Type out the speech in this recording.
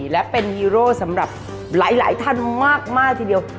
และเป็นฮีโร่สำหรับหลายท่านมากทีเดียว